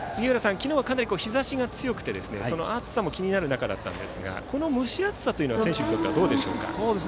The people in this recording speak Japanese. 昨日はかなり日ざしが強くて暑さも気になる中だったんですがこの蒸し暑さは選手にとってどうですか？